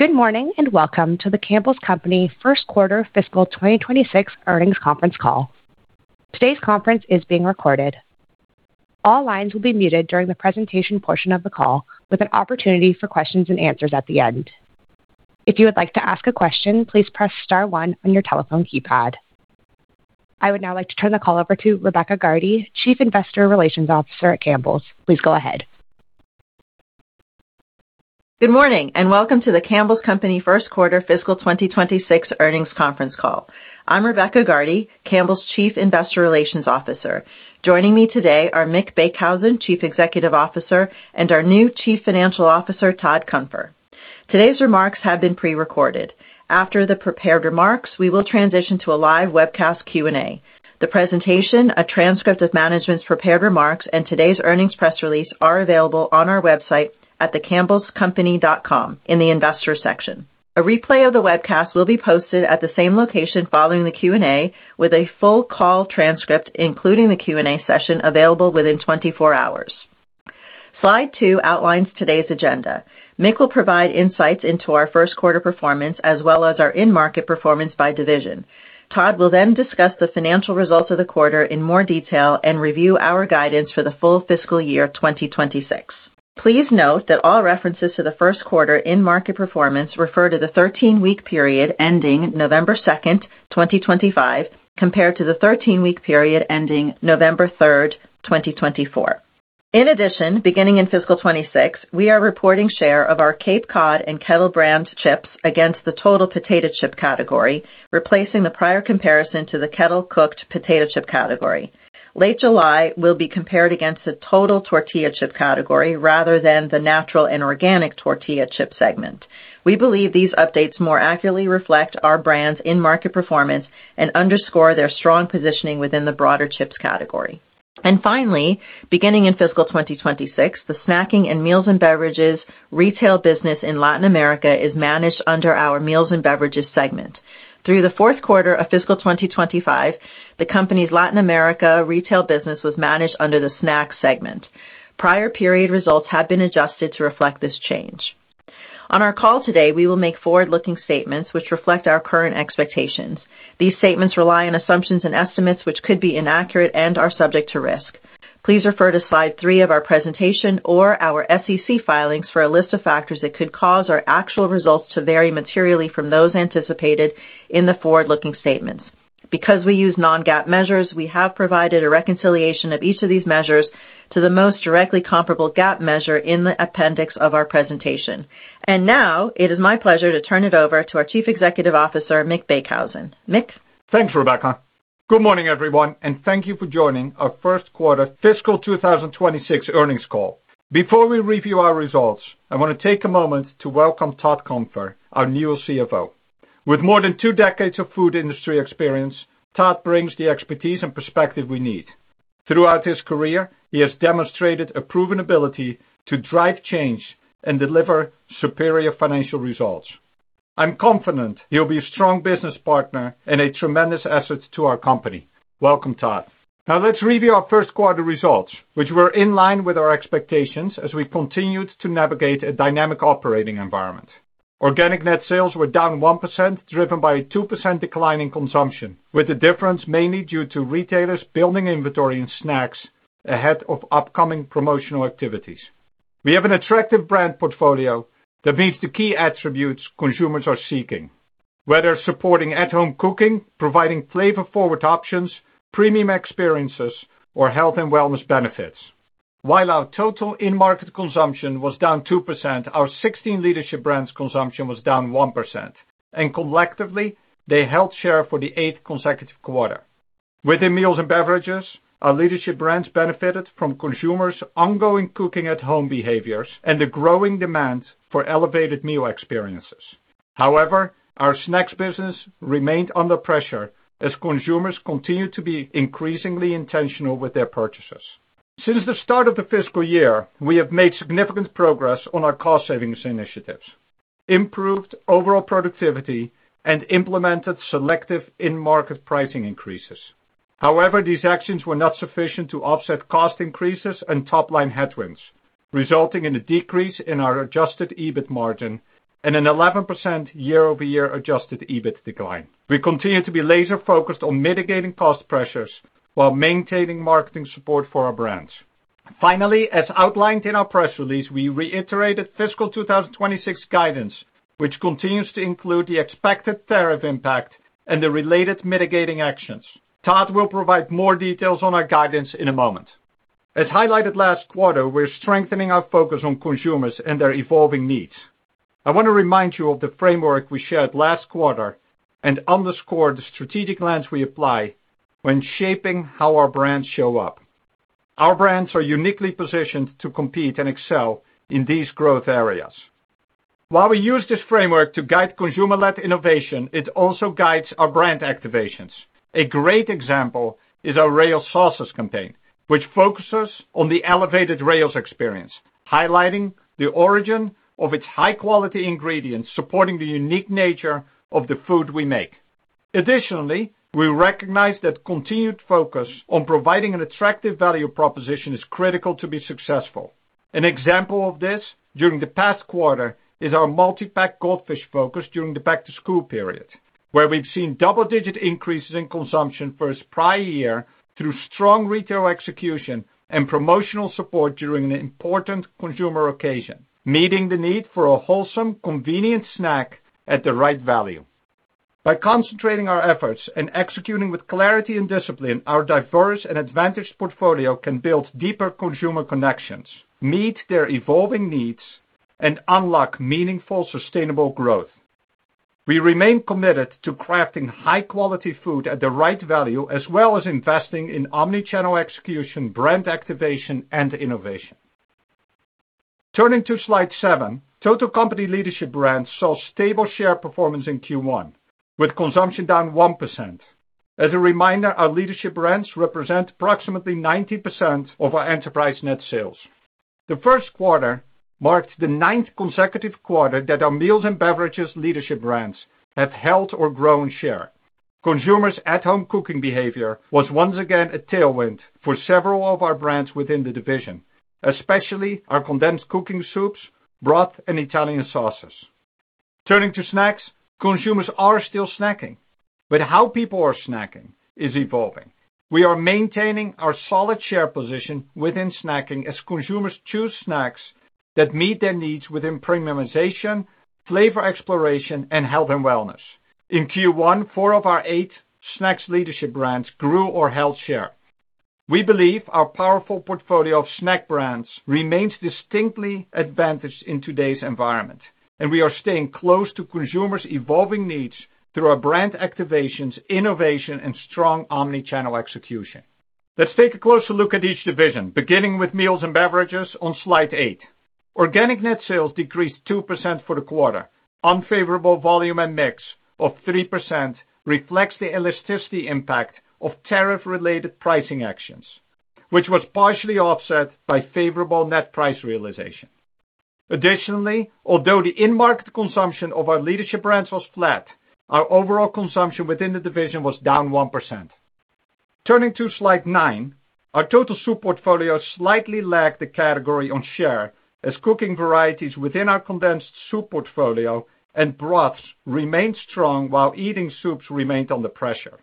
Good morning and welcome to The Campbell's Company First Quarter Fiscal 2026 Earnings Conference Call. Today's conference is being recorded. All lines will be muted during the presentation portion of the call, with an opportunity for questions and answers at the end. If you would like to ask a question, please press star one on your telephone keypad. I would now like to turn the call over to Rebecca Gardy, Chief Investor Relations Officer at The Campbell's Company. Please go ahead. Good morning and welcome to The Campbell's Company First Quarter Fiscal 2026 Earnings Conference Call. I'm Rebecca Gardy, The Campbell's Company Chief Investor Relations Officer. Joining me today are Mick Beekhuizen, Chief Executive Officer, and our new Chief Financial Officer, Todd Cunfer. Today's remarks have been pre-recorded. After the prepared remarks, we will transition to a live webcast Q&A. The presentation, a transcript of management's prepared remarks, and today's earnings press release are available on our website at thecampbellscompany.com in the investor section. A replay of the webcast will be posted at the same location following the Q&A, with a full call transcript, including the Q&A session, available within 24 hours. Slide two outlines today's agenda. Mick will provide insights into our first quarter performance as well as our in-market performance by division. Todd will then discuss the financial results of the quarter in more detail and review our guidance for the full fiscal year 2026. Please note that all references to the first quarter in-market performance refer to the 13-week period ending November 2nd, 2025, compared to the 13-week period ending November 3rd, 2024. In addition, beginning in fiscal 2026, we are reporting share of our Cape Cod and Kettle Brand chips against the total potato chip category, replacing the prior comparison to the kettle-cooked potato chip category. Late July will be compared against the total tortilla chip category rather than the natural and organic tortilla chip segment. We believe these updates more accurately reflect our brand's in-market performance and underscore their strong positioning within the broader chips category. Finally, beginning in fiscal 2026, the snacking and meals and beverages retail business in Latin America is managed under our meals and beverages segment. Through the fourth quarter of fiscal 2025, the company's Latin America retail business was managed under the snack segment. Prior period results have been adjusted to reflect this change. On our call today, we will make forward-looking statements which reflect our current expectations. These statements rely on assumptions and estimates which could be inaccurate and are subject to risk. Please refer to slide three of our presentation or our SEC filings for a list of factors that could cause our actual results to vary materially from those anticipated in the forward-looking statements. Because we use non-GAAP measures, we have provided a reconciliation of each of these measures to the most directly comparable GAAP measure in the appendix of our presentation. Now it is my pleasure to turn it over to our Chief Executive Officer, Mick Beekhuizen. Mick. Thanks, Rebecca. Good morning, everyone, and thank you for joining our first quarter fiscal 2026 earnings call. Before we review our results, I want to take a moment to welcome Todd Cunfer, our new CFO. With more than two decades of food industry experience, Todd brings the expertise and perspective we need. Throughout his career, he has demonstrated a proven ability to drive change and deliver superior financial results. I'm confident he'll be a strong business partner and a tremendous asset to our company. Welcome, Todd. Now let's review our first quarter results, which were in line with our expectations as we continued to navigate a dynamic operating environment. Organic net sales were down 1%, driven by a 2% decline in consumption, with the difference mainly due to retailers building inventory in snacks ahead of upcoming promotional activities. We have an attractive brand portfolio that meets the key attributes consumers are seeking, whether supporting at-home cooking, providing flavor-forward options, premium experiences, or health and wellness benefits. While our total in-market consumption was down 2%, our 16 leadership brands' consumption was down 1%, and collectively, they held share for the eighth consecutive quarter. Within meals and beverages, our leadership brands benefited from consumers' ongoing cooking-at-home behaviors and the growing demand for elevated meal experiences. However, our snacks business remained under pressure as consumers continued to be increasingly intentional with their purchases. Since the start of the fiscal year, we have made significant progress on our cost-savings initiatives, improved overall productivity, and implemented selective in-market pricing increases. However, these actions were not sufficient to offset cost increases and top-line headwinds, resulting in a decrease in our adjusted EBIT margin and an 11% year-over-year adjusted EBIT decline. We continue to be laser-focused on mitigating cost pressures while maintaining marketing support for our brands. Finally, as outlined in our press release, we reiterated fiscal 2026 guidance, which continues to include the expected tariff impact and the related mitigating actions. Todd will provide more details on our guidance in a moment. As highlighted last quarter, we're strengthening our focus on consumers and their evolving needs. I want to remind you of the framework we shared last quarter and underscored the strategic lens we apply when shaping how our brands show up. Our brands are uniquely positioned to compete and excel in these growth areas. While we use this framework to guide consumer-led innovation, it also guides our brand activations. A great example is our Rao's sauces campaign, which focuses on the elevated Rao's experience, highlighting the origin of its high-quality ingredients supporting the unique nature of the food we make. Additionally, we recognize that continued focus on providing an attractive value proposition is critical to be successful. An example of this during the past quarter is our multipack Goldfish focus during the back-to-school period, where we've seen double-digit increases in consumption for its prior year through strong retail execution and promotional support during an important consumer occasion, meeting the need for a wholesome, convenient snack at the right value. By concentrating our efforts and executing with clarity and discipline, our diverse and advantaged portfolio can build deeper consumer connections, meet their evolving needs, and unlock meaningful, sustainable growth. We remain committed to crafting high-quality food at the right value, as well as investing in omnichannel execution, brand activation, and innovation. Turning to slide seven, total company leadership brands saw stable share performance in Q1, with consumption down 1%. As a reminder, our leadership brands represent approximately 90% of our enterprise net sales. The first quarter marked the ninth consecutive quarter that our meals and beverages leadership brands have held or grown share. Consumers' at-home cooking behavior was once again a tailwind for several of our brands within the division, especially our condensed cooking soups, broth, and Italian sauces. Turning to snacks, consumers are still snacking, but how people are snacking is evolving. We are maintaining our solid share position within snacking as consumers choose snacks that meet their needs within premiumization, flavor exploration, and health and wellness. In Q1, four of our eight snacks leadership brands grew or held share. We believe our powerful portfolio of snack brands remains distinctly advantaged in today's environment, and we are staying close to consumers' evolving needs through our brand activations, innovation, and strong omnichannel execution. Let's take a closer look at each division, beginning with meals and beverages on slide eight. Organic net sales decreased 2% for the quarter. Unfavorable volume and mix of 3% reflects the elasticity impact of tariff-related pricing actions, which was partially offset by favorable net price realization. Additionally, although the in-market consumption of our leadership brands was flat, our overall consumption within the division was down 1%. Turning to slide nine, our total soup portfolio slightly lagged the category on share as cooking varieties within our condensed soup portfolio and broths remained strong while eating soups remained under pressure.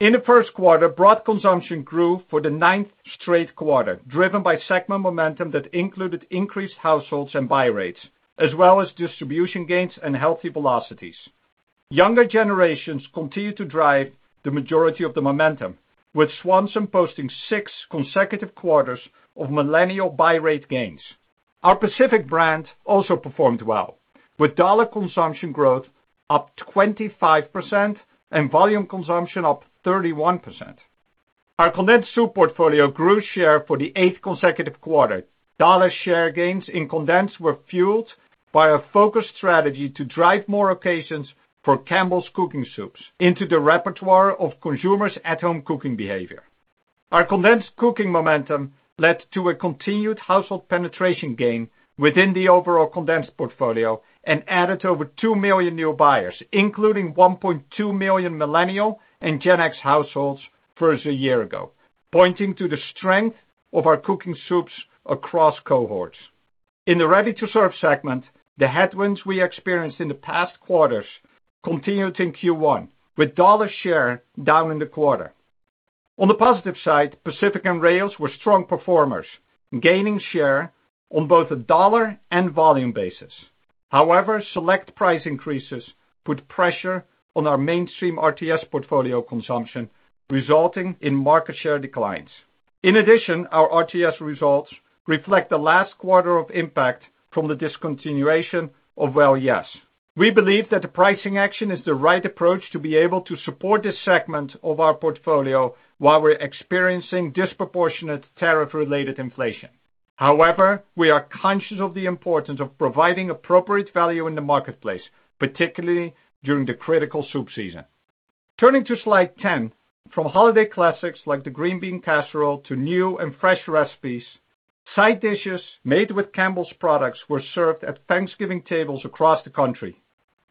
In the first quarter, broth consumption grew for the ninth straight quarter, driven by segment momentum that included increased households and buy rates, as well as distribution gains and healthy velocities. Younger generations continued to drive the majority of the momentum, with Swanson posting six consecutive quarters of Millennial buy rate gains. Our Pacific brand also performed well, with dollar consumption growth up 25% and volume consumption up 31%. Our condensed soup portfolio grew share for the eighth consecutive quarter. Dollar share gains in condensed were fueled by a focused strategy to drive more occasions for Campbell's cooking soups into the repertoire of consumers' at-home cooking behavior. Our condensed cooking momentum led to a continued household penetration gain within the overall condensed portfolio and added over two million new buyers, including 1.2 million Millennial and Gen X households versus a year ago, pointing to the strength of our cooking soups across cohorts. In the ready-to-serve segment, the headwinds we experienced in the past quarters continued in Q1, with dollar share down in the quarter. On the positive side, Pacific and Rao's were strong performers, gaining share on both a dollar and volume basis. However, select price increases put pressure on our mainstream RTS portfolio consumption, resulting in market share declines. In addition, our RTS results reflect the last quarter of impact from the discontinuation of Well Yes!. We believe that the pricing action is the right approach to be able to support this segment of our portfolio while we're experiencing disproportionate tariff-related inflation. However, we are conscious of the importance of providing appropriate value in the marketplace, particularly during the critical soup season. Turning to slide 10, from holiday classics like the green bean casserole to new and fresh recipes, side dishes made with Campbell's products were served at Thanksgiving tables across the country.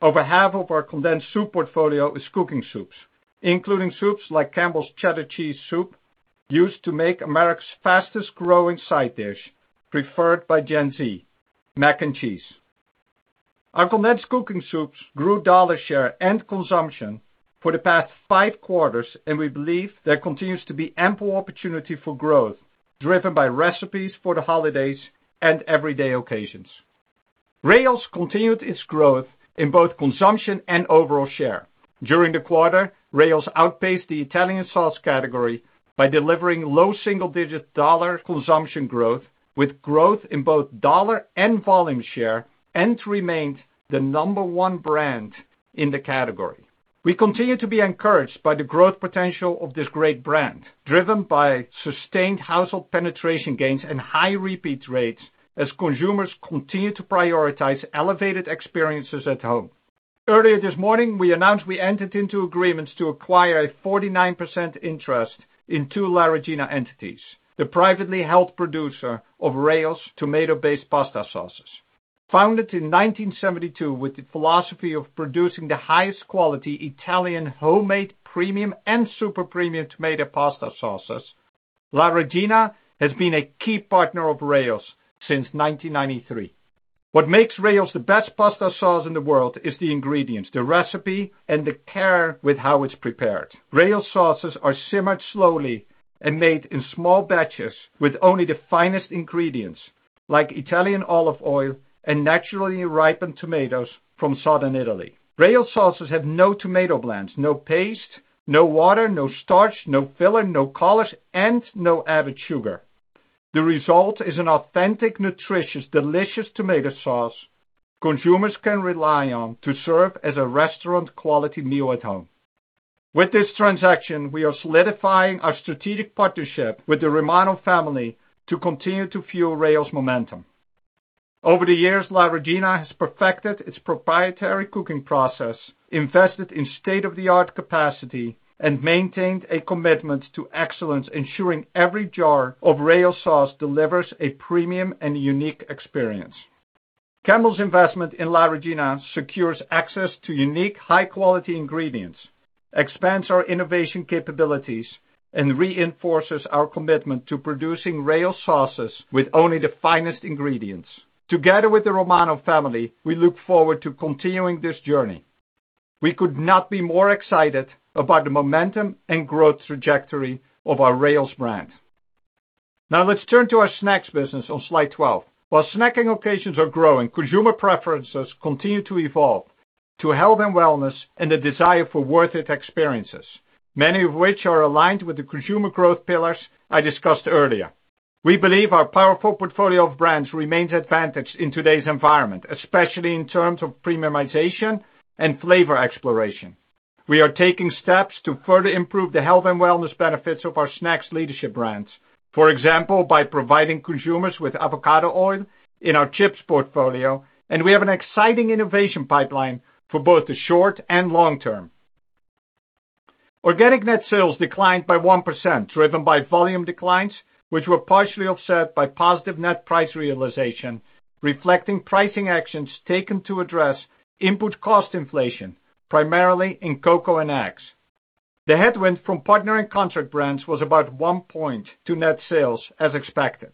Over half of our condensed soup portfolio is cooking soups, including soups like Campbell's Cheddar Cheese Soup, used to make America's fastest-growing side dish preferred by Gen Z, mac and cheese. Our condensed cooking soups grew dollar share and consumption for the past five quarters, and we believe there continues to be ample opportunity for growth driven by recipes for the holidays and everyday occasions. Rao's continued its growth in both consumption and overall share. During the quarter, Rao's outpaced the Italian sauce category by delivering low single-digit dollar consumption growth, with growth in both dollar and volume share, and remained the number one brand in the category. We continue to be encouraged by the growth potential of this great brand, driven by sustained household penetration gains and high repeat rates as consumers continue to prioritize elevated experiences at home. Earlier this morning, we announced we entered into agreements to acquire a 49% interest in two La Regina entities, the privately held producer of Rao's tomato-based pasta sauces. Founded in 1972 with the philosophy of producing the highest quality Italian homemade premium and super premium tomato pasta sauces, La Regina has been a key partner of Rao's since 1993. What makes Rao's the best pasta sauce in the world is the ingredients, the recipe, and the care with how it's prepared. Rao's sauces are simmered slowly and made in small batches with only the finest ingredients, like Italian olive oil and naturally ripened tomatoes from southern Italy. Rao's sauces have no tomato blends, no paste, no water, no starch, no filler, no color, and no added sugar. The result is an authentic, nutritious, delicious tomato sauce consumers can rely on to serve as a restaurant-quality meal at home. With this transaction, we are solidifying our strategic partnership with the Romano family to continue to fuel Rao's momentum. Over the years, La Regina has perfected its proprietary cooking process, invested in state-of-the-art capacity, and maintained a commitment to excellence, ensuring every jar of Rao's sauce delivers a premium and unique experience. Campbell's investment in La Regina secures access to unique, high-quality ingredients, expands our innovation capabilities, and reinforces our commitment to producing Rao's sauces with only the finest ingredients. Together with the Romano family, we look forward to continuing this journey. We could not be more excited about the momentum and growth trajectory of our Rao's brand. Now let's turn to our snacks business on slide 12. While snacking occasions are growing, consumer preferences continue to evolve to health and wellness and the desire for worth-it experiences, many of which are aligned with the consumer growth pillars I discussed earlier. We believe our powerful portfolio of brands remains advantaged in today's environment, especially in terms of premiumization and flavor exploration. We are taking steps to further improve the health and wellness benefits of our snacks leadership brands, for example, by providing consumers with avocado oil in our chips portfolio, and we have an exciting innovation pipeline for both the short and long-term. Organic net sales declined by 1%, driven by volume declines, which were partially offset by positive net price realization, reflecting pricing actions taken to address input cost inflation, primarily in cocoa and eggs. The headwind from partnering contract brands was about one point to net sales, as expected.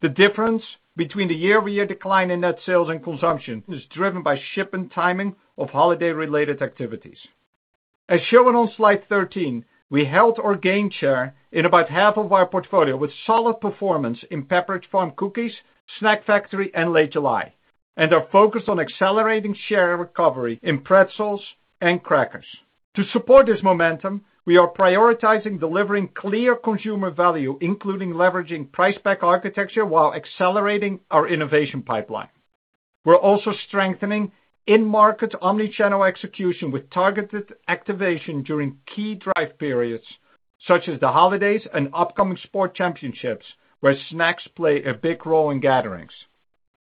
The difference between the year-over-year decline in net sales and consumption is driven by shipments and timing of holiday-related activities. As shown on slide 13, we held or gained share in about half of our portfolio with solid performance in Pepperidge Farm cookies, Snack Factory, and Late July, and are focused on accelerating share recovery in pretzels and crackers. To support this momentum, we are prioritizing delivering clear consumer value, including leveraging price pack architecture while accelerating our innovation pipeline. We're also strengthening in-market omnichannel execution with targeted activation during key drive periods such as the holidays and upcoming sport championships, where snacks play a big role in gatherings.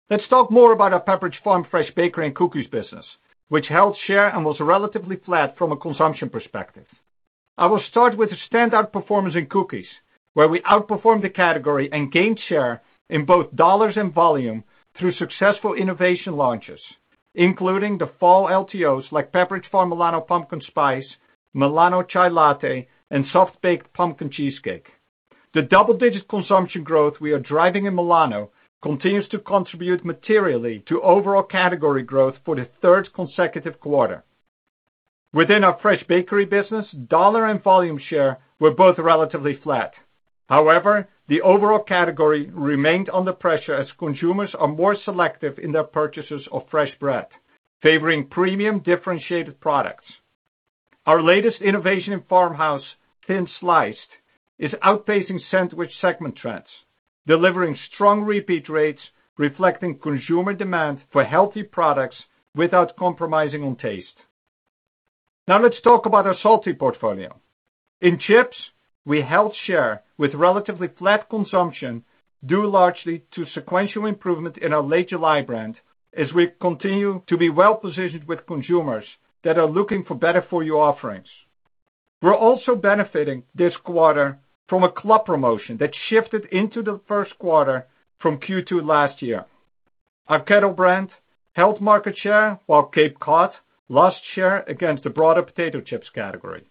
Let's talk more about our Pepperidge Farm Fresh Bakery and Cookies business, which held share and was relatively flat from a consumption perspective. I will start with a standout performance in cookies, where we outperformed the category and gained share in both dollars and volume through successful innovation launches, including the fall LTOs like Pepperidge Farm Milano Pumpkin Spice, Milano Chai Latte, and Soft Baked Pumpkin Cheesecake. The double-digit consumption growth we are driving in Milano continues to contribute materially to overall category growth for the third consecutive quarter. Within our fresh bakery business, dollar and volume share were both relatively flat. However, the overall category remained under pressure as consumers are more selective in their purchases of fresh bread, favoring premium differentiated products. Our latest innovation in Farmhouse Thin Sliced is outpacing sandwich segment trends, delivering strong repeat rates reflecting consumer demand for healthy products without compromising on taste. Now let's talk about our salty portfolio. In chips, we held share with relatively flat consumption due largely to sequential improvement in our Late July brand as we continue to be well-positioned with consumers that are looking for better-for-you offerings. We're also benefiting this quarter from a club promotion that shifted into the first quarter from Q2 last year. Our Kettle Brand held market share while Cape Cod lost share against the broader Potato Chips category.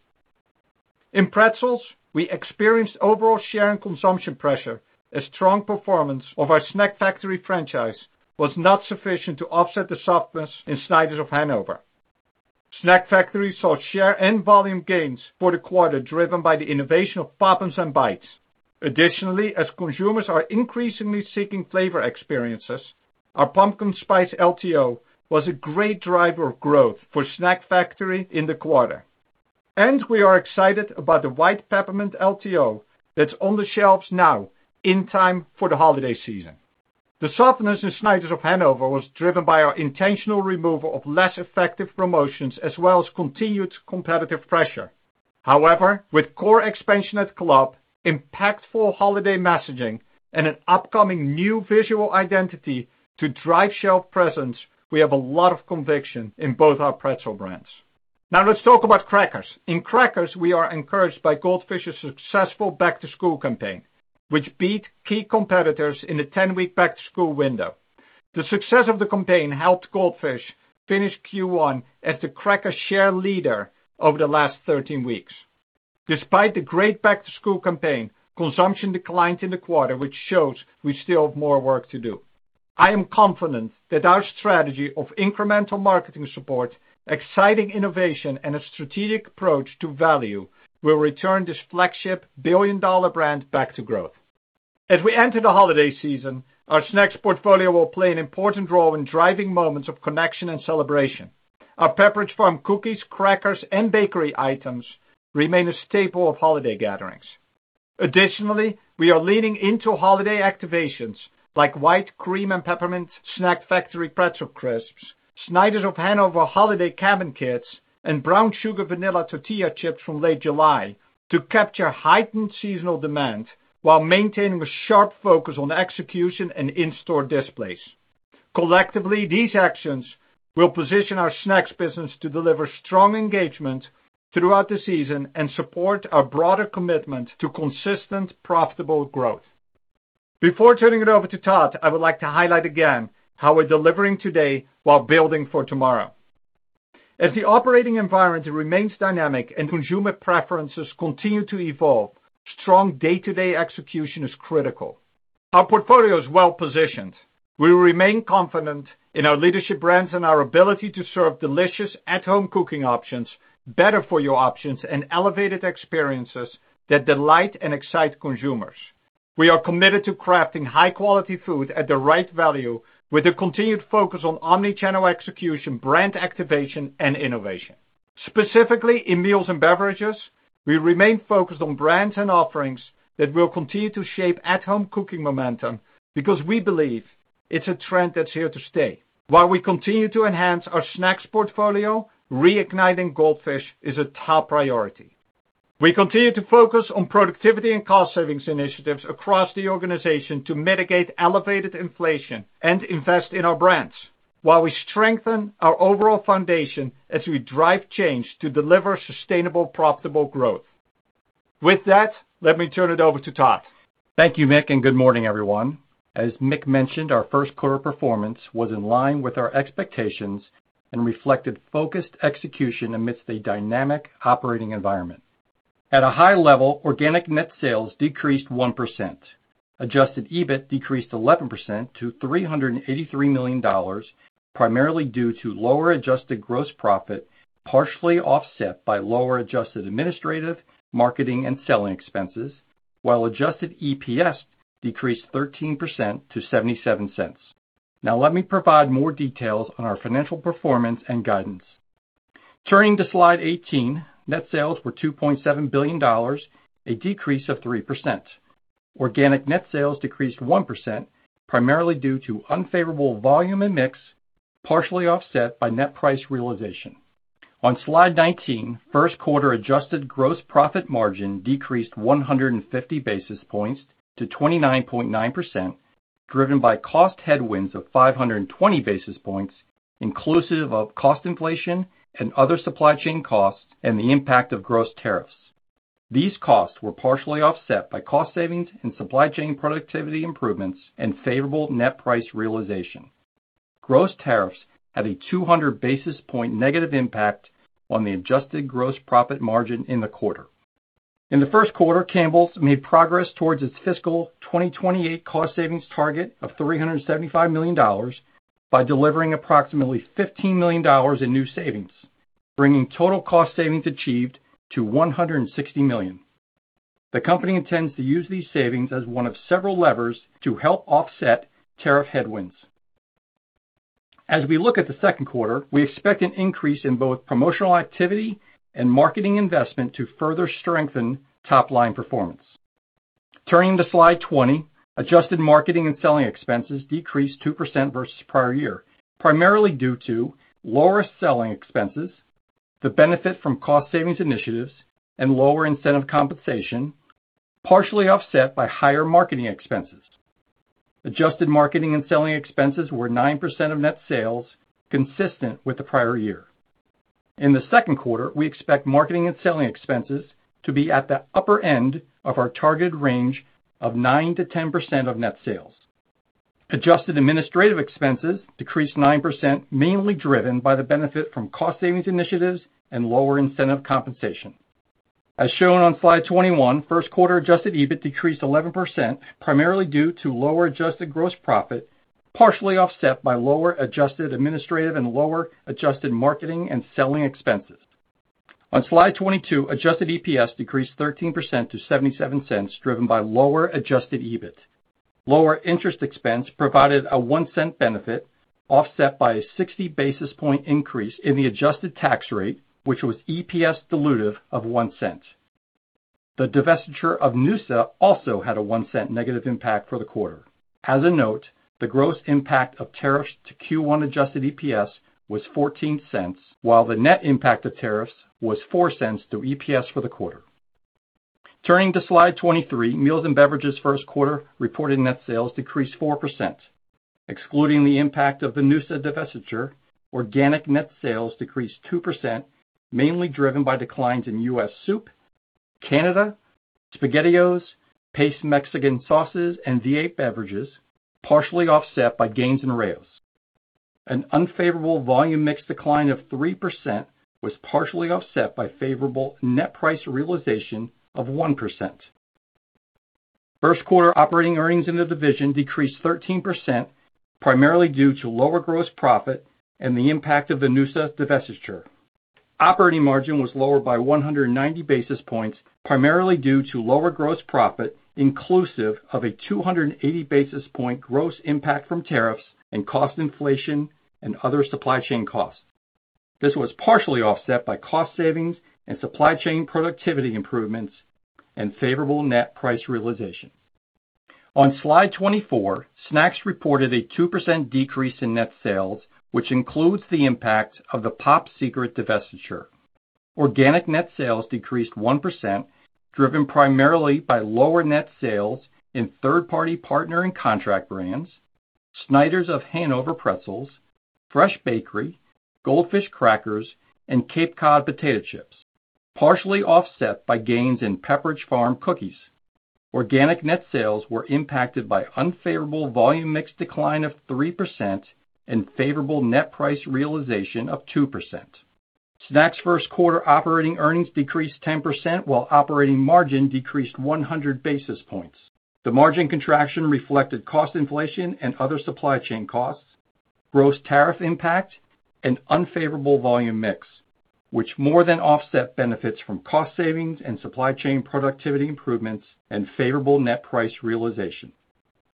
In pretzels, we experienced overall share and consumption pressure as strong performance of our Snack Factory franchise was not sufficient to offset the softness in Snyder's of Hanover. Snack Factory saw share and volume gains for the quarter driven by the innovation of Puffs and Bites. Additionally, as consumers are increasingly seeking flavor experiences, our Pumpkin Spice LTO was a great driver of growth for Snack Factory in the quarter. And we are excited about the White Peppermint LTO that's on the shelves now in time for the holiday season. The softness in Snyder's of Hanover was driven by our intentional removal of less effective promotions as well as continued competitive pressure. However, with core expansion at club, impactful holiday messaging, and an upcoming new visual identity to drive shelf presence, we have a lot of conviction in both our pretzel brands. Now let's talk about crackers. In crackers, we are encouraged by Goldfish's successful back-to-school campaign, which beat key competitors in the 10-week back-to-school window. The success of the campaign helped Goldfish finish Q1 as the cracker share leader over the last 13 weeks. Despite the great back-to-school campaign, consumption declined in the quarter, which shows we still have more work to do. I am confident that our strategy of incremental marketing support, exciting innovation, and a strategic approach to value will return this flagship billion-dollar brand back to growth. As we enter the holiday season, our snacks portfolio will play an important role in driving moments of connection and celebration. Our Pepperidge Farm cookies, crackers, and bakery items remain a staple of holiday gatherings. Additionally, we are leaning into holiday activations like White Creme & Peppermint Snack Factory Pretzel Crisps, Snyder's of Hanover holiday Cabin Kits, and Brown Sugar Vanilla tortilla chips from Late July to capture heightened seasonal demand while maintaining a sharp focus on execution and in-store displays. Collectively, these actions will position our snacks business to deliver strong engagement throughout the season and support our broader commitment to consistent, profitable growth. Before turning it over to Todd, I would like to highlight again how we're delivering today while building for tomorrow. As the operating environment remains dynamic and consumer preferences continue to evolve, strong day-to-day execution is critical. Our portfolio is well-positioned. We remain confident in our leadership brands and our ability to serve delicious at-home cooking options, better-for-you options, and elevated experiences that delight and excite consumers. We are committed to crafting high-quality food at the right value with a continued focus on omnichannel execution, brand activation, and innovation. Specifically, in meals and beverages, we remain focused on brands and offerings that will continue to shape at-home cooking momentum because we believe it's a trend that's here to stay. While we continue to enhance our snacks portfolio, reigniting Goldfish is a top priority. We continue to focus on productivity and cost-savings initiatives across the organization to mitigate elevated inflation and invest in our brands while we strengthen our overall foundation as we drive change to deliver sustainable, profitable growth. With that, let me turn it over to Todd. Thank you, Mick, and good morning, everyone. As Mick mentioned, our first quarter performance was in line with our expectations and reflected focused execution amidst a dynamic operating environment. At a high level, organic net sales decreased 1%. Adjusted EBIT decreased 11% to $383 million, primarily due to lower adjusted gross profit, partially offset by lower adjusted administrative, marketing, and selling expenses, while adjusted EPS decreased 13% to $0.77. Now let me provide more details on our financial performance and guidance. Turning to slide 18, net sales were $2.7 billion, a decrease of 3%. Organic net sales decreased 1%, primarily due to unfavorable volume and mix, partially offset by net price realization. On slide 19, first quarter adjusted gross profit margin decreased 150 basis points to 29.9%, driven by cost headwinds of 520 basis points, inclusive of cost inflation and other supply chain costs and the impact of gross tariffs. These costs were partially offset by cost savings and supply chain productivity improvements and favorable net price realization. Gross tariffs had a 200 basis point negative impact on the adjusted gross profit margin in the quarter. In the first quarter, Campbell's made progress towards its fiscal 2028 cost savings target of $375 million by delivering approximately $15 million in new savings, bringing total cost savings achieved to $160 million. The company intends to use these savings as one of several levers to help offset tariff headwinds. As we look at the second quarter, we expect an increase in both promotional activity and marketing investment to further strengthen top-line performance. Turning to slide 20, adjusted marketing and selling expenses decreased 2% versus prior year, primarily due to lower selling expenses, the benefit from cost savings initiatives, and lower incentive compensation, partially offset by higher marketing expenses. Adjusted marketing and selling expenses were 9% of net sales, consistent with the prior year. In the second quarter, we expect marketing and selling expenses to be at the upper end of our targeted range of 9%-10% of net sales. Adjusted administrative expenses decreased 9%, mainly driven by the benefit from cost savings initiatives and lower incentive compensation. As shown on slide 21, first quarter adjusted EBIT decreased 11%, primarily due to lower adjusted gross profit, partially offset by lower adjusted administrative and lower adjusted marketing and selling expenses. On slide 22, adjusted EPS decreased 13% to $0.77, driven by lower adjusted EBIT. Lower interest expense provided a $0.01 benefit, offset by a 60 basis point increase in the adjusted tax rate, which was EPS dilutive of $0.01. The divestiture of Noosa also had a $0.01 negative impact for the quarter. As a note, the gross impact of tariffs to Q1 adjusted EPS was $0.14, while the net impact of tariffs was $0.04 through EPS for the quarter. Turning to slide 23, Meals & Beverages first quarter reported net sales decreased 4%. Excluding the impact of the Noosa divestiture, organic net sales decreased 2%, mainly driven by declines in U.S. soup, Canada, SpaghettiOs, Pace Mexican sauces, and V8 beverages, partially offset by gains in Rao's. An unfavorable volume mix decline of 3% was partially offset by favorable net price realization of 1%. First quarter operating earnings in the division decreased 13%, primarily due to lower gross profit and the impact of the Noosa divestiture. Operating margin was lower by 190 basis points, primarily due to lower gross profit, inclusive of a 280 basis point gross impact from tariffs and cost inflation and other supply chain costs. This was partially offset by cost savings and supply chain productivity improvements and favorable net price realization. On slide 24, snacks reported a 2% decrease in net sales, which includes the impact of the Pop Secret divestiture. Organic net sales decreased 1%, driven primarily by lower net sales in third-party partner and contract brands, Snyder's of Hanover pretzels, Fresh Bakery, Goldfish crackers, and Cape Cod potato chips, partially offset by gains in Pepperidge Farm cookies. Organic net sales were impacted by unfavorable volume mix decline of 3% and favorable net price realization of 2%. Snacks first quarter operating earnings decreased 10% while operating margin decreased 100 basis points. The margin contraction reflected cost inflation and other supply chain costs, gross tariff impact, and unfavorable volume mix, which more than offset benefits from cost savings and supply chain productivity improvements and favorable net price realization.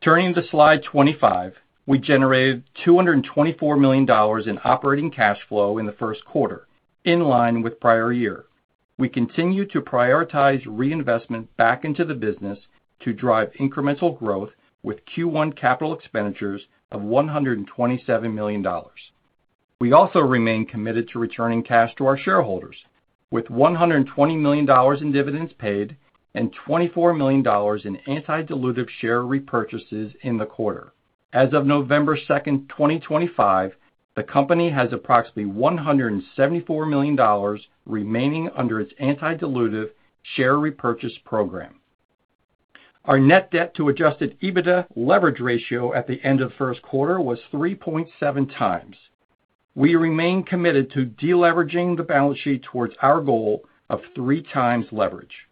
Turning to slide 25, we generated $224 million in operating cash flow in the first quarter, in line with prior year. We continue to prioritize reinvestment back into the business to drive incremental growth with Q1 capital expenditures of $127 million. We also remain committed to returning cash to our shareholders, with $120 million in dividends paid and $24 million in anti-dilutive share repurchases in the quarter. As of November 2nd, 2025, the company has approximately $174 million remaining under its anti-dilutive share repurchase program. Our net debt to Adjusted EBITDA leverage ratio at the end of the first quarter was 3.7x. We remain committed to deleveraging the balance sheet towards our goal of three times leverage.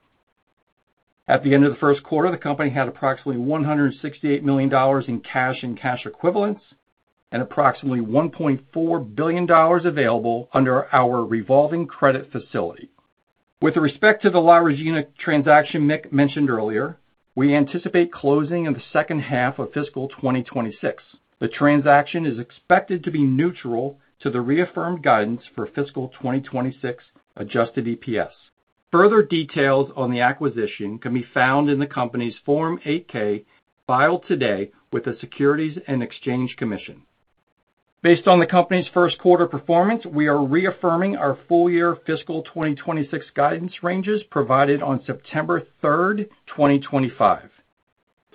At the end of the first quarter, the company had approximately $168 million in cash and cash equivalents and approximately $1.4 billion available under our revolving credit facility. With respect to the La Regina transaction Mick mentioned earlier, we anticipate closing in the second half of fiscal 2026. The transaction is expected to be neutral to the reaffirmed guidance for fiscal 2026 adjusted EPS. Further details on the acquisition can be found in the company's Form 8-K filed today with the Securities and Exchange Commission. Based on the company's first quarter performance, we are reaffirming our full year fiscal 2026 guidance ranges provided on September 3rd, 2025.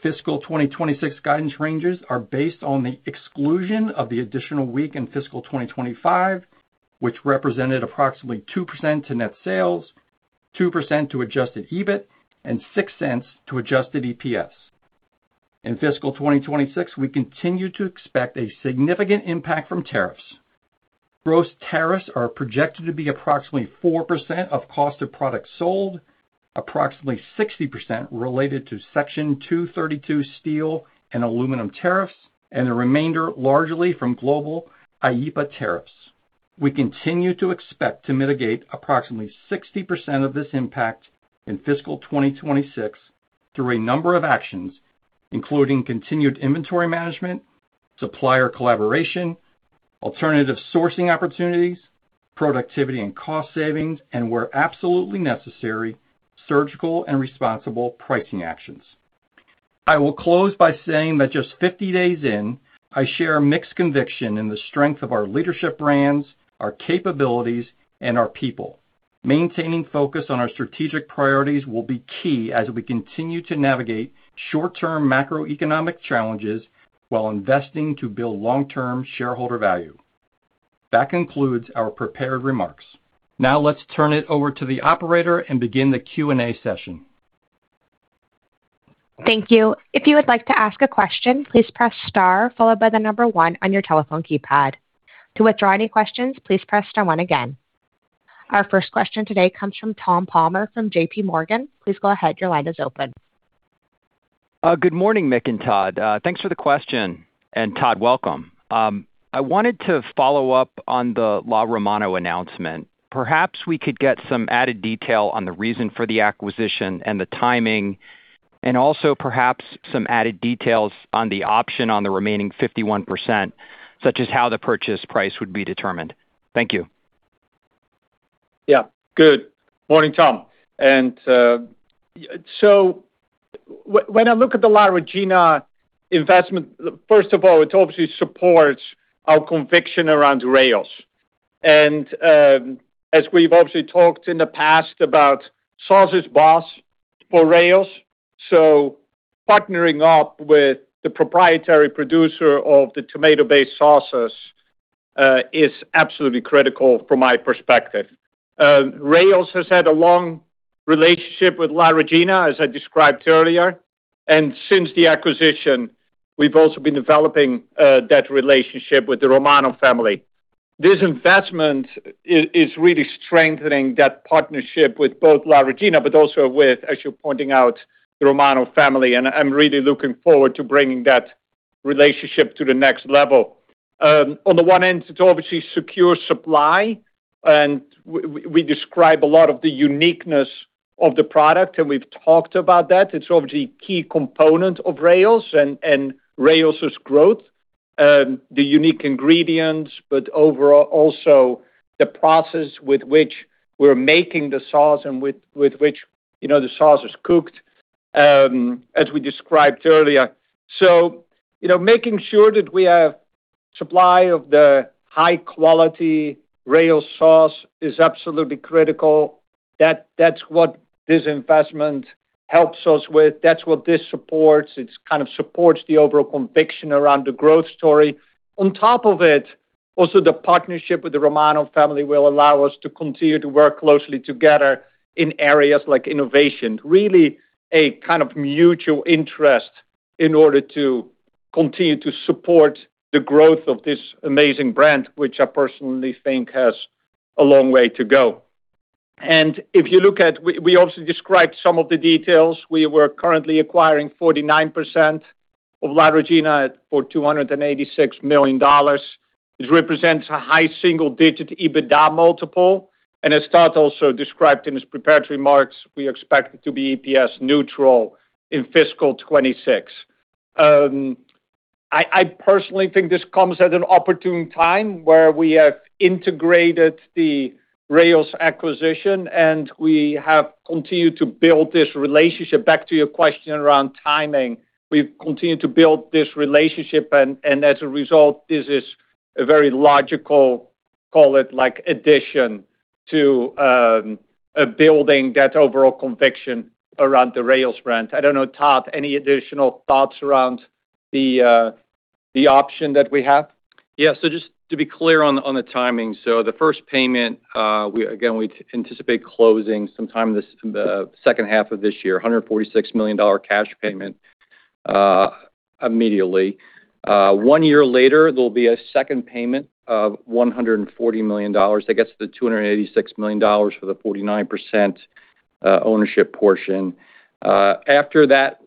Fiscal 2026 guidance ranges are based on the exclusion of the additional week in fiscal 2025, which represented approximately 2% to net sales, 2% to adjusted EBIT, and $0.06 to adjusted EPS. In fiscal 2026, we continue to expect a significant impact from tariffs. Gross tariffs are projected to be approximately 4% of cost of product sold, approximately 60% related to Section 232 steel and aluminum tariffs, and the remainder largely from global IEEPA tariffs. We continue to expect to mitigate approximately 60% of this impact in fiscal 2026 through a number of actions, including continued inventory management, supplier collaboration, alternative sourcing opportunities, productivity and cost savings, and, where absolutely necessary, surgical and responsible pricing actions. I will close by saying that just 50 days in, I share a Mick's conviction in the strength of our leadership brands, our capabilities, and our people. Maintaining focus on our strategic priorities will be key as we continue to navigate short-term macroeconomic challenges while investing to build long-term shareholder value. That concludes our prepared remarks. Now let's turn it over to the operator and begin the Q&A session. Thank you. If you would like to ask a question, please press star followed by the number one on your telephone keypad. To withdraw any questions, please press star one again. Our first question today comes from Tom Palmer from J.P. Morgan. Please go ahead. Your line is open. Good morning, Mick and Todd. Thanks for the question. And Todd, welcome. I wanted to follow up on the La Regina announcement. Perhaps we could get some added detail on the reason for the acquisition and the timing, and also perhaps some added details on the option on the remaining 51%, such as how the purchase price would be determined. Thank you. Yeah. Good morning, Tom. And so when I look at the La Regina investment, first of all, it obviously supports our conviction around Rao's. As we've obviously talked in the past about sourcing for Rao's, so partnering up with the proprietary producer of the tomato-based sauces is absolutely critical from my perspective. Rao's has had a long relationship with La Regina, as I described earlier. And since the acquisition, we've also been developing that relationship with the Romano family. This investment is really strengthening that partnership with both La Regina, but also with, as you're pointing out, the Romano family. And I'm really looking forward to bringing that relationship to the next level. On the one end, it's obviously securing supply, and we describe a lot of the uniqueness of the product, and we've talked about that. It's obviously a key component of Rao's and Rao's growth, the unique ingredients, but overall also the process with which we're making the sauce and with which the sauce is cooked, as we described earlier. Making sure that we have supply of the high-quality Rao's sauce is absolutely critical. That's what this investment helps us with. That's what this supports. It kind of supports the overall conviction around the growth story. On top of it, also the partnership with the Romano family will allow us to continue to work closely together in areas like innovation. Really a kind of mutual interest in order to continue to support the growth of this amazing brand, which I personally think has a long way to go. And if you look at, we obviously described some of the details. We were currently acquiring 49% of La Regina for $286 million. It represents a high single-digit EBITDA multiple. And as Todd also described in his prepared remarks, we expect it to be EPS neutral in fiscal 2026. I personally think this comes at an opportune time where we have integrated the Rao's acquisition, and we have continued to build this relationship. Back to your question around timing, we've continued to build this relationship, and as a result, this is a very logical, call it like addition to building that overall conviction around the Rao's brand. I don't know, Todd, any additional thoughts around the option that we have? Yeah. So just to be clear on the timing, so the first payment, again, we anticipate closing sometime in the second half of this year, $146 million cash payment immediately. One year later, there'll be a second payment of $140 million. That gets to the $286 million for the 49% ownership portion. After that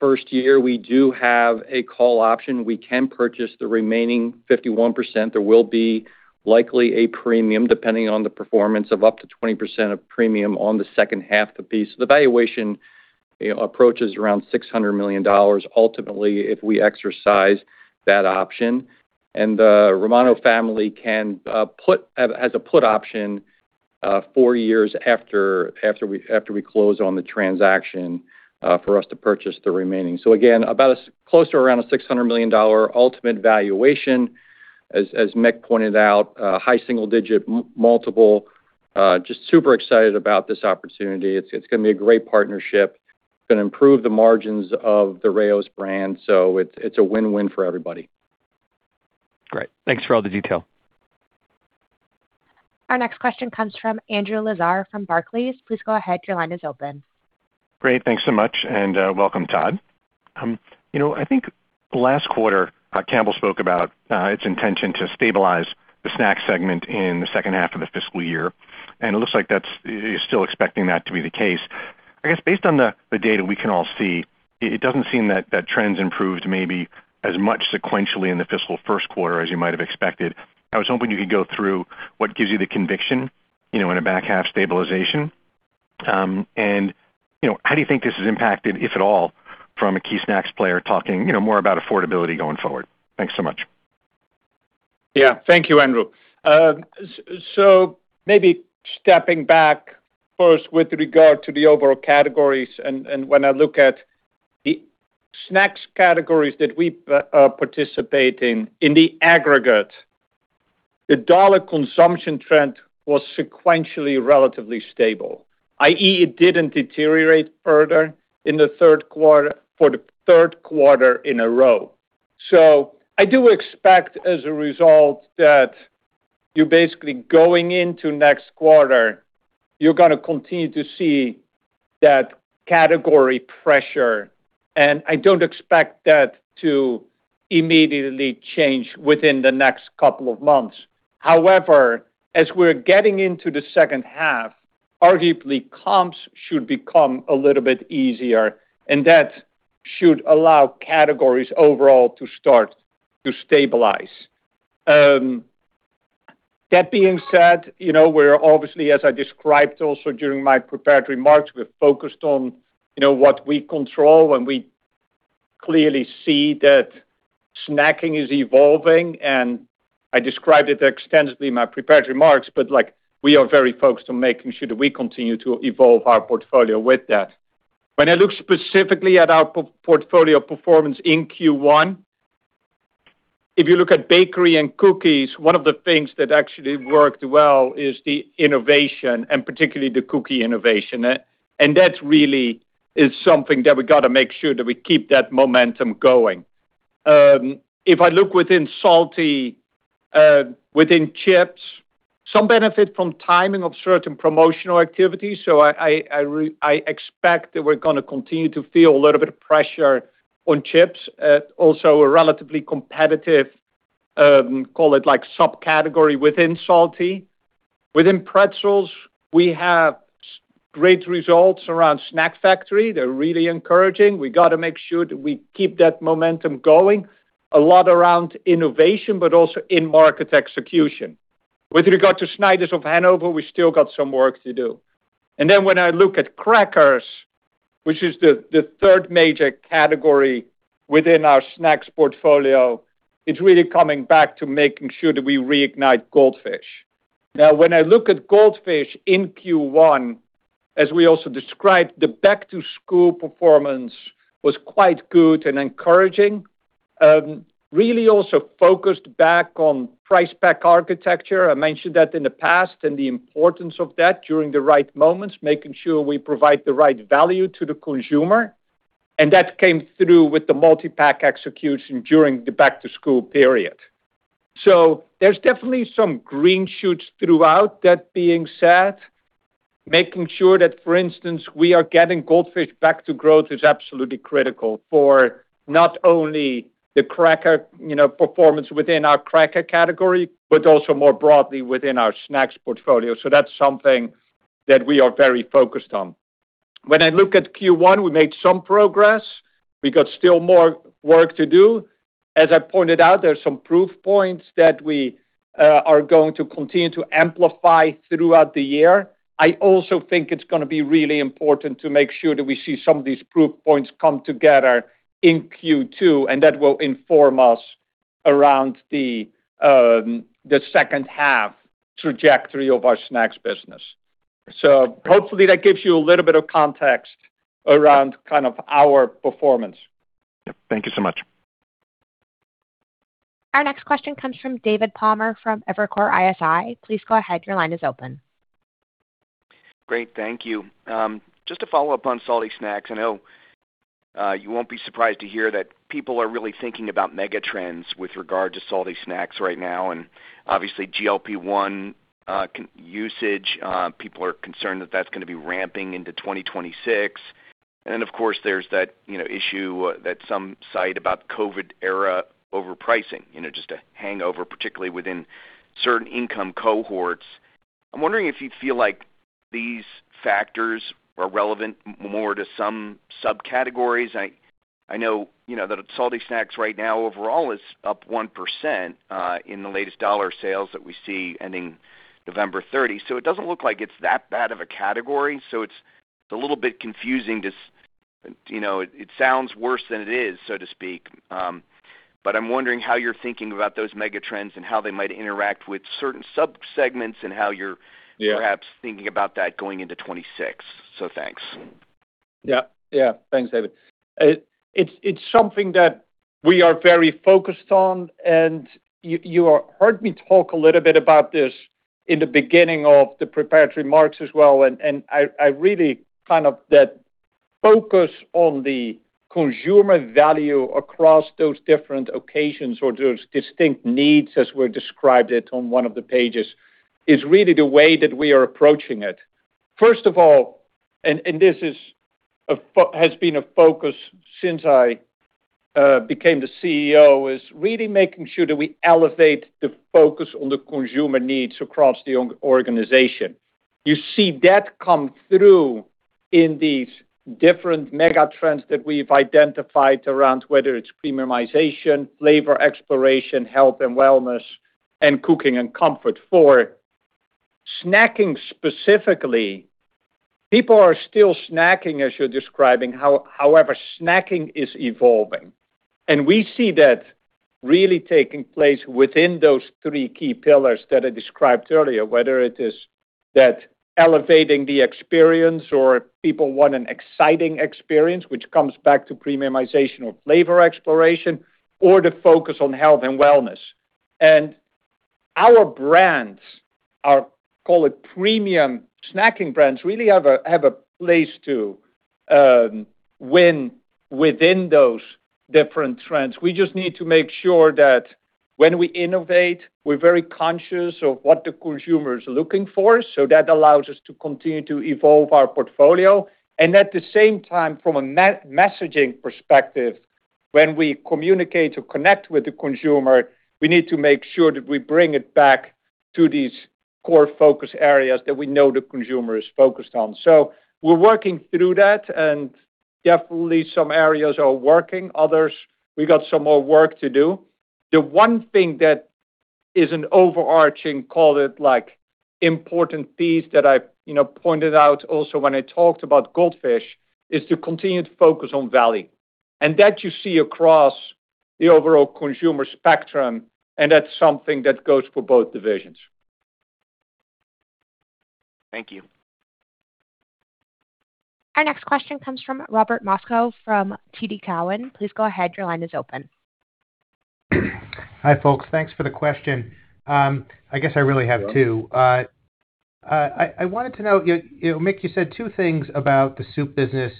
first year, we do have a call option. We can purchase the remaining 51%. There will be likely a premium depending on the performance of up to 20% of premium on the second half of the piece. So the valuation approaches around $600 million ultimately if we exercise that option. And the Romano family has a put option four years after we close on the transaction for us to purchase the remaining. So again, close to around a $600 million ultimate valuation, as Mick pointed out, high single-digit multiple. Just super excited about this opportunity. It's going to be a great partnership. It's going to improve the margins of the Rao's brand. So it's a win-win for everybody. Great. Thanks for all the detail. Our next question comes from Andrew Lazar from Barclays. Please go ahead. Your line is open. Great. Thanks so much. And welcome, Todd. I think last quarter, Campbell spoke about its intention to stabilize the snack segment in the second half of the fiscal year, and it looks like you're still expecting that to be the case. I guess based on the data we can all see, it doesn't seem that trends improved maybe as much sequentially in the fiscal first quarter as you might have expected. I was hoping you could go through what gives you the conviction in a back half stabilization, and how do you think this has impacted, if at all, from a key snacks player talking more about affordability going forward? Thanks so much. Yeah. Thank you, Andrew, so maybe stepping back first with regard to the overall categories. When I look at the snacks categories that we participate in, in the aggregate, the dollar consumption trend was sequentially relatively stable, i.e., it didn't deteriorate further in the third quarter for the third quarter in a row. I do expect as a result that you're basically going into next quarter, you're going to continue to see that category pressure. I don't expect that to immediately change within the next couple of months. However, as we're getting into the second half, arguably comps should become a little bit easier, and that should allow categories overall to start to stabilize. That being said, we're obviously, as I described also during my prepared remarks, we're focused on what we control, and we clearly see that snacking is evolving. And I described it extensively in my prepared remarks, but we are very focused on making sure that we continue to evolve our portfolio with that. When I look specifically at our portfolio performance in Q1, if you look at bakery and cookies, one of the things that actually worked well is the innovation, and particularly the cookie innovation. And that really is something that we got to make sure that we keep that momentum going. If I look within salty, within chips, some benefit from timing of certain promotional activities. So I expect that we're going to continue to feel a little bit of pressure on chips. Also a relatively competitive, call it like subcategory within salty. Within pretzels, we have great results around Snack Factory. They're really encouraging. We got to make sure that we keep that momentum going a lot around innovation, but also in market execution. With regard to Snyder’s of Hanover, we still got some work to do, and then when I look at crackers, which is the third major category within our snacks portfolio, it's really coming back to making sure that we reignite Goldfish. Now, when I look at Goldfish in Q1, as we also described, the back-to-school performance was quite good and encouraging, really also focused back on price pack architecture. I mentioned that in the past and the importance of that during the right moments, making sure we provide the right value to the consumer, and that came through with the multipack execution during the back-to-school period, so there's definitely some green shoots throughout. That being said, making sure that, for instance, we are getting Goldfish back to growth is absolutely critical for not only the cracker performance within our cracker category, but also more broadly within our snacks portfolio. So that's something that we are very focused on. When I look at Q1, we made some progress. We got still more work to do. As I pointed out, there's some proof points that we are going to continue to amplify throughout the year. I also think it's going to be really important to make sure that we see some of these proof points come together in Q2, and that will inform us around the second half trajectory of our snacks business. So hopefully that gives you a little bit of context around kind of our performance. Thank you so much. Our next question comes from David Palmer from Evercore ISI. Please go ahead. Your line is open. Great. Thank you. Just to follow up on salty snacks, I know you won't be surprised to hear that people are really thinking about mega trends with regard to salty snacks right now. And obviously, GLP-1 usage, people are concerned that that's going to be ramping into 2026. And then, of course, there's that issue that some cite about COVID-era overpricing, just a hangover, particularly within certain income cohorts. I'm wondering if you feel like these factors are relevant more to some subcategories. I know that salty snacks right now overall is up 1% in the latest dollar sales that we see ending November 30. So it doesn't look like it's that bad of a category. So it's a little bit confusing. It sounds worse than it is, so to speak. But I'm wondering how you're thinking about those mega trends and how they might interact with certain subsegments and how you're perhaps thinking about that going into 2026. So thanks. Yeah. Yeah. Thanks, David. It's something that we are very focused on. And you heard me talk a little bit about this in the beginning of the prepared remarks as well. And I really kind of that focus on the consumer value across those different occasions or those distinct needs, as we've described it on one of the pages, is really the way that we are approaching it. First of all, and this has been a focus since I became the CEO, is really making sure that we elevate the focus on the consumer needs across the organization. You see that come through in these different mega trends that we've identified around whether it's premiumization, flavor exploration, health and wellness, and cooking and comfort. For snacking specifically, people are still snacking, as you're describing, however snacking is evolving. And we see that really taking place within those three key pillars that I described earlier, whether it is that elevating the experience or people want an exciting experience, which comes back to premiumization or flavor exploration, or the focus on health and wellness. And our brands, our call it premium snacking brands, really have a place to win within those different trends. We just need to make sure that when we innovate, we're very conscious of what the consumer is looking for. So that allows us to continue to evolve our portfolio. And at the same time, from a messaging perspective, when we communicate or connect with the consumer, we need to make sure that we bring it back to these core focus areas that we know the consumer is focused on. So we're working through that. And definitely some areas are working. Others, we got some more work to do. The one thing that is an overarching, call it like important piece that I pointed out also when I talked about Goldfish is to continue to focus on value. And that you see across the overall consumer spectrum. And that's something that goes for both divisions. Thank you. Our next question comes from Robert Moskow from TD Cowen. Please go ahead. Your line is open. Hi folks. Thanks for the question. I guess I really have two. I wanted to know, Mick, you said two things about the soup business.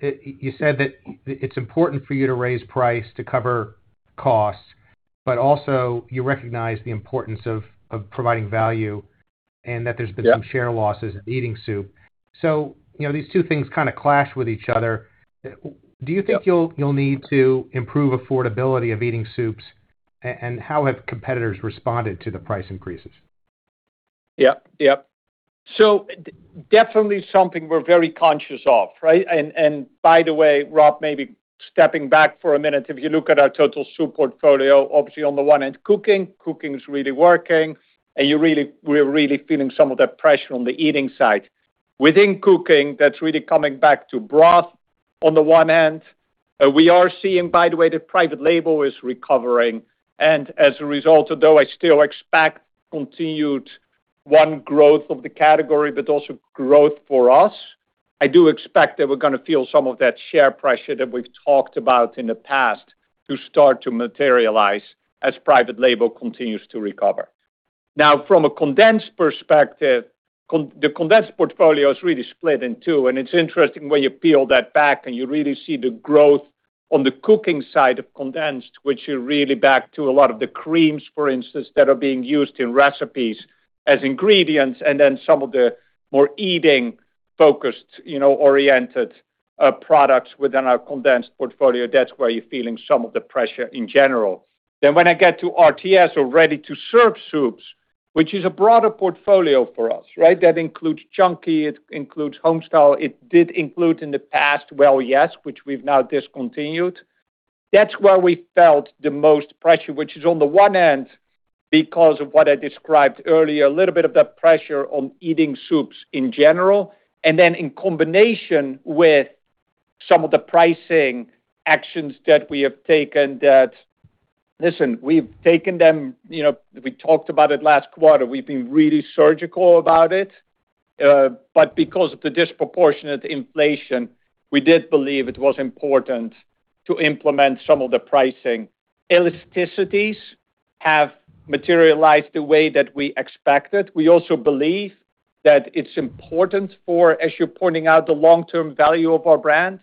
You said that it's important for you to raise price to cover costs, but also you recognize the importance of providing value and that there's been some share losses in eating soup. So these two things kind of clash with each other. Do you think you'll need to improve affordability of eating soups? And how have competitors responded to the price increases? Yeah. Yeah. So definitely something we're very conscious of, right? And by the way, Rob, maybe stepping back for a minute, if you look at our total soup portfolio, obviously on the one end, cooking, cooking is really working. And we're really feeling some of that pressure on the eating side. Within cooking, that's really coming back to broth on the one hand. We are seeing, by the way, that private label is recovering. And as a result, although I still expect continued one growth of the category, but also growth for us, I do expect that we're going to feel some of that share pressure that we've talked about in the past to start to materialize as private label continues to recover. Now, from a condensed perspective, the condensed portfolio is really split in two. And it's interesting when you peel that back and you really see the growth on the cooking side of condensed, which really goes back to a lot of the creams, for instance, that are being used in recipes as ingredients. And then some of the more eating-focused, oriented products within our condensed portfolio, that's where you're feeling some of the pressure in general. Then when I get to RTS or ready-to-serve soups, which is a broader portfolio for us, right? That includes Chunky, it includes Homestyle. It did include in the past Well Yes!, which we've now discontinued. That's where we felt the most pressure, which is on the one end because of what I described earlier, a little bit of that pressure on eating soups in general. And then in combination with some of the pricing actions that we have taken that, listen, we've taken them, we talked about it last quarter, we've been really surgical about it. But because of the disproportionate inflation, we did believe it was important to implement some of the pricing. Elasticities have materialized the way that we expected. We also believe that it's important for, as you're pointing out, the long-term value of our brands.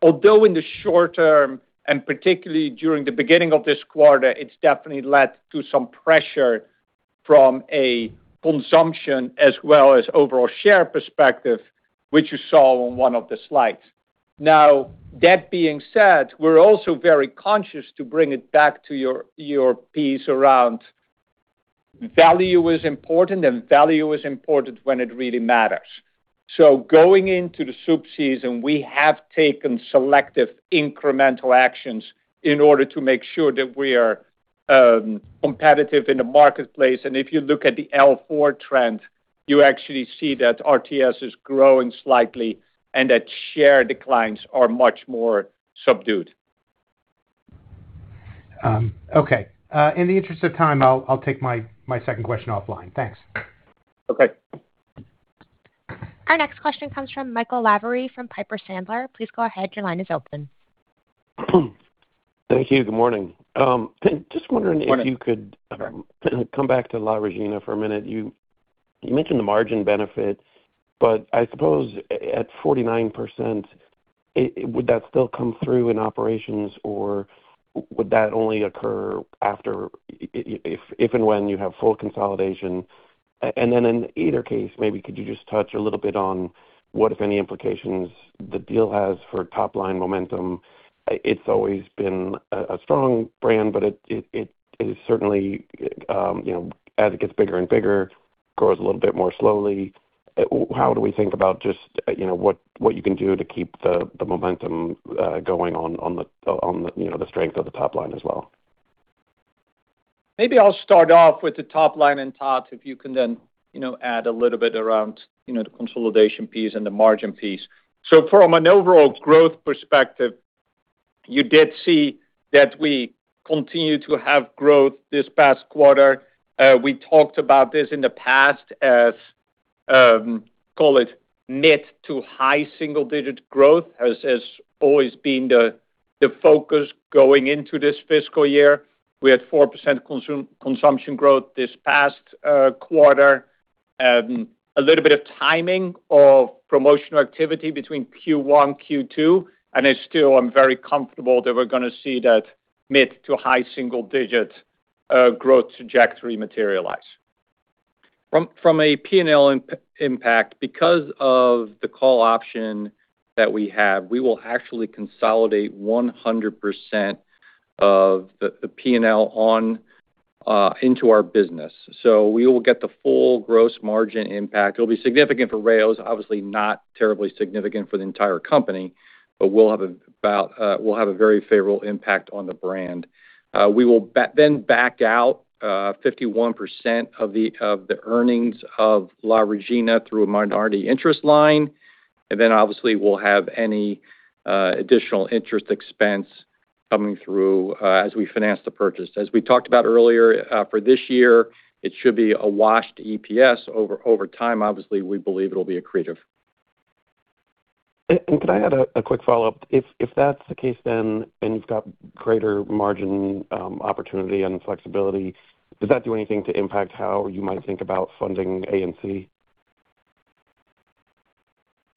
Although in the short term, and particularly during the beginning of this quarter, it's definitely led to some pressure from a consumption as well as overall share perspective, which you saw on one of the slides. Now, that being said, we're also very conscious to bring it back to your piece around value is important and value is important when it really matters. So going into the soup season, we have taken selective incremental actions in order to make sure that we are competitive in the marketplace. And if you look at the L4 trend, you actually see that RTS is growing slightly and that share declines are much more subdued. Okay. In the interest of time, I'll take my second question offline. Thanks. Okay. Our next question comes from Michael Lavery from Piper Sandler. Please go ahead. Your line is open. Thank you. Good morning. Just wondering if you could come back to La Regina for a minute. You mentioned the margin benefit, but I suppose at 49%, would that still come through in operations or would that only occur if and when you have full consolidation? And then in either case, maybe could you just touch a little bit on what, if any, implications the deal has for top-line momentum? It's always been a strong brand, but it certainly, as it gets bigger and bigger, grows a little bit more slowly. How do we think about just what you can do to keep the momentum going on the strength of the top line as well? Maybe I'll start off with the top line and thoughts if you can then add a little bit around the consolidation piece and the margin piece. From an overall growth perspective, you did see that we continue to have growth this past quarter. We talked about this in the past as, call it, mid to high single-digit growth has always been the focus going into this fiscal year. We had 4% consumption growth this past quarter. A little bit of timing of promotional activity between Q1, Q2, and I still am very comfortable that we're going to see that mid to high single-digit growth trajectory materialize. From a P&L impact, because of the call option that we have, we will actually consolidate 100% of the P&L into our business. We will get the full gross margin impact. It'll be significant for Rao's, obviously not terribly significant for the entire company, but we'll have a very favorable impact on the brand. We will then back out 51% of the earnings of La Regina through a minority interest line. Then obviously, we'll have any additional interest expense coming through as we finance the purchase. As we talked about earlier, for this year, it should be a wash on EPS over time. Obviously, we believe it'll be accretive. Can I add a quick follow-up? If that's the case, then you've got greater margin opportunity and flexibility. Does that do anything to impact how you might think about funding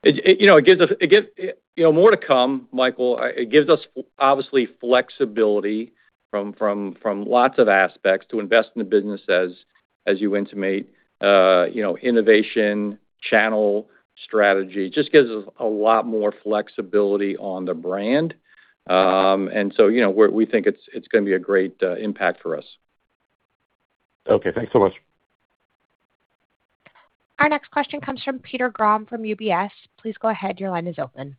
A&C? It gives us more room, Michael. It gives us obviously flexibility from lots of aspects to invest in the business as you intimate. Innovation, channel, strategy, just gives us a lot more flexibility on the brand. So we think it's going to be a great impact for us. Okay. Thanks so much. Our next question comes from Peter Grom from UBS. Please go ahead. Your line is open.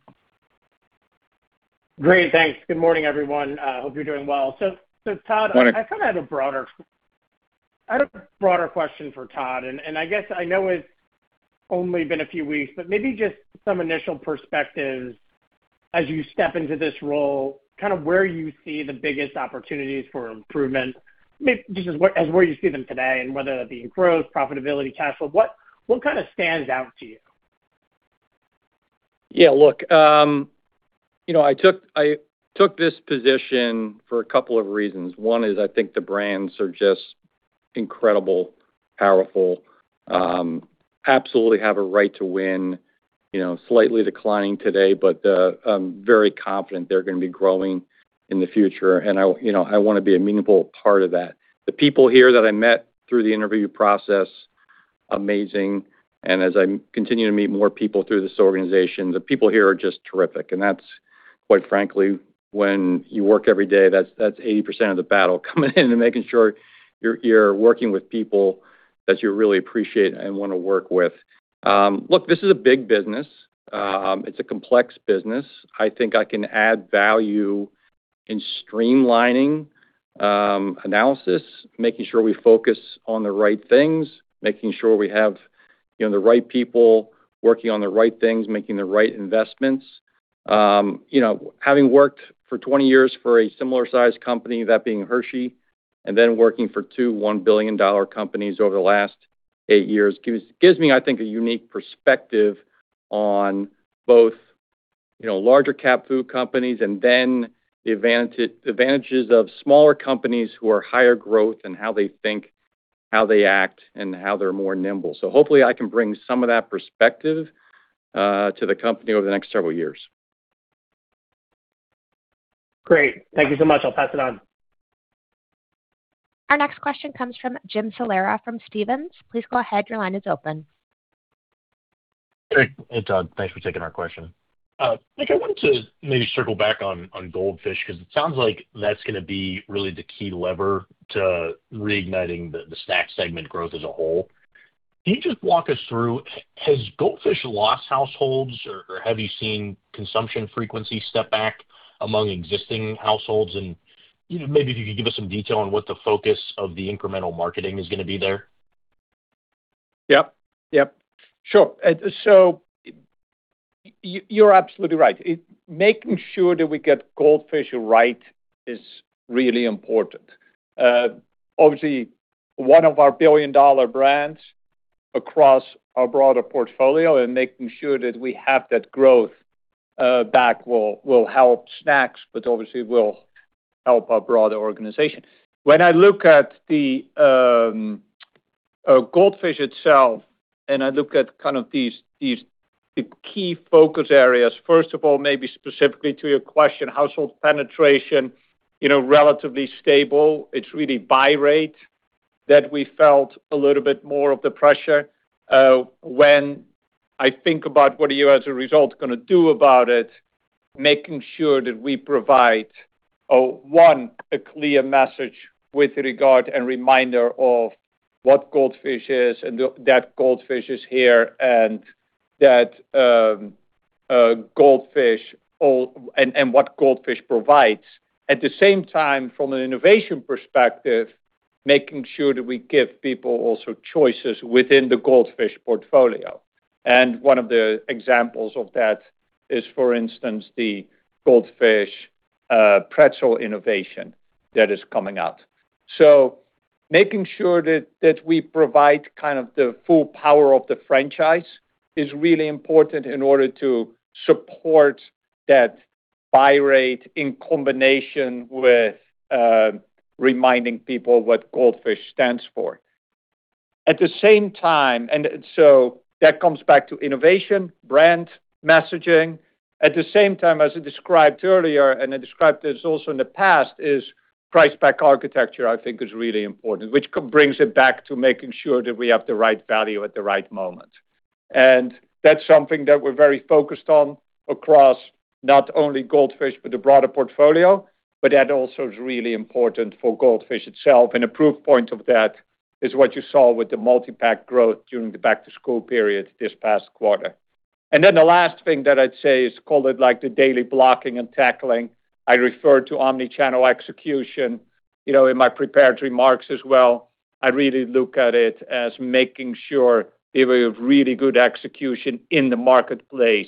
Great. Thanks. Good morning, everyone. I hope you're doing well. So Todd, I kind of have a broader question for Todd. And I guess I know it's only been a few weeks, but maybe just some initial perspectives as you step into this role, kind of where you see the biggest opportunities for improvement, just as where you see them today and whether that be in growth, profitability, cash flow. What kind of stands out to you? Yeah. Look, I took this position for a couple of reasons. One is I think the brands are just incredible, powerful, absolutely have a right to win. Slightly declining today, but very confident they're going to be growing in the future. And I want to be a meaningful part of that. The people here that I met through the interview process, amazing. And as I continue to meet more people through this organization, the people here are just terrific. And that's quite frankly, when you work every day, that's 80% of the battle coming in and making sure you're working with people that you really appreciate and want to work with. Look, this is a big business. It's a complex business. I think I can add value in streamlining analysis, making sure we focus on the right things, making sure we have the right people working on the right things, making the right investments. Having worked for 20 years for a similar-sized company, that being Hershey, and then working for two $1 billion companies over the last eight years gives me, I think, a unique perspective on both larger-cap food companies and then the advantages of smaller companies who are higher growth and how they think, how they act, and how they're more nimble. So hopefully, I can bring some of that perspective to the company over the next several years. Great. Thank you so much. I'll pass it on. Our next question comes from Jim Salera from Stephens. Please go ahead. Your line is open. Hey, Todd. Thanks for taking our question. I wanted to maybe circle back on Goldfish because it sounds like that's going to be really the key lever to reigniting the snack segment growth as a whole. Can you just walk us through, has Goldfish lost households, or have you seen consumption frequency step back among existing households? And maybe if you could give us some detail on what the focus of the incremental marketing is going to be there. Yep. Yep. Sure. So you're absolutely right. Making sure that we get Goldfish right is really important. Obviously, one of our billion-dollar brands across our broader portfolio and making sure that we have that growth back will help snacks, but obviously, will help our broader organization. When I look at the Goldfish itself and I look at kind of the key focus areas, first of all, maybe specifically to your question, household penetration, relatively stable. It's really buy rate that we felt a little bit more of the pressure. When I think about what you, as a result, are going to do about it, making sure that we provide, one, a clear message with regard and reminder of what Goldfish is and that Goldfish is here and what Goldfish provides. At the same time, from an innovation perspective, making sure that we give people also choices within the Goldfish portfolio. And one of the examples of that is, for instance, the Goldfish Pretzel innovation that is coming out. So making sure that we provide kind of the full power of the franchise is really important in order to support that buy rate in combination with reminding people what Goldfish stands for. At the same time, and so that comes back to innovation, brand, messaging. At the same time, as I described earlier, and I described this also in the past, is price pack architecture, I think, is really important, which brings it back to making sure that we have the right value at the right moment. And that's something that we're very focused on across not only Goldfish, but the broader portfolio, but that also is really important for Goldfish itself. And a proof point of that is what you saw with the multipack growth during the back-to-school period this past quarter. And then the last thing that I'd say is, call it like the daily blocking and tackling. I refer to omnichannel execution in my prepared remarks as well. I really look at it as making sure they have really good execution in the marketplace